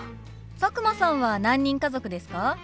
佐久間さんは何人家族ですか？